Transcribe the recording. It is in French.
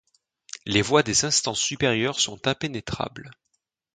Les voies des instances supérieures sont impénétrables.